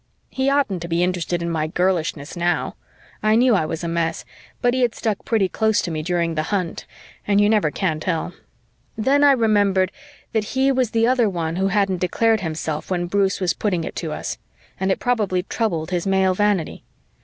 He oughtn't to be interested in my girlishness now. I knew I was a mess, but he had stuck pretty close to me during the hunt and you never can tell. Then I remembered that he was the other one who hadn't declared himself when Bruce was putting it to us, and it probably troubled his male vanity.